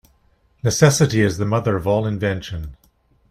Necessity is the mother of all invention.